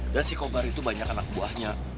dan si kobar itu banyak anak buahnya